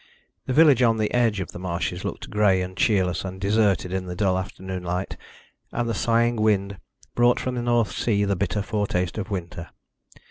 The village on the edge of the marshes looked grey and cheerless and deserted in the dull afternoon light, and the sighing wind brought from the North Sea the bitter foretaste of winter.